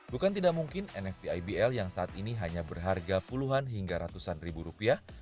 bukan tidak mungkin nft ibl yang saat ini hanya berharga puluhan hingga ratusan ribu rupiah